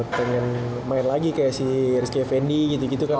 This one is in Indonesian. pengen main lagi kayak si rizky effendi gitu gitu kan